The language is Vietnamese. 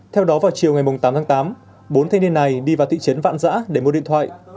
theo đó vào chiều ngày tám tháng tám bốn thanh niên này đi vào thị trấn vạn giã để mua điện thoại